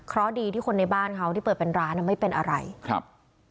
เพราะดีที่คนในบ้านเขาที่เปิดเป็นร้านอ่ะไม่เป็นอะไรครับ